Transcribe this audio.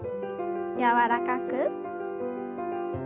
柔らかく。